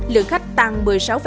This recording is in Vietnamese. lượng khách tăng một mươi sáu bốn